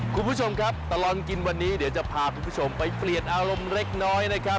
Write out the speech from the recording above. คุณผู้ชมครับตลอดกินวันนี้เดี๋ยวจะพาคุณผู้ชมไปเปลี่ยนอารมณ์เล็กน้อยนะครับ